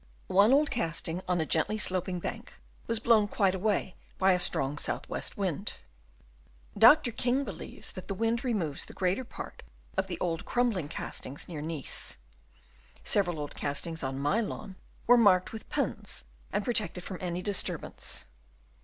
One old casting on a gently slop ing bank was blown quite away by a strong south west wind. Dr. King believes that the wind removes the greater part of the old crumbling castings near Nice. Several old castings on my lawn were marked with pins and protected from any disturbance.